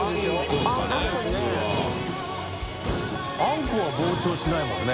あんこは膨張しないもんね。